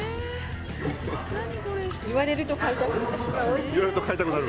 言われると買いたくなる。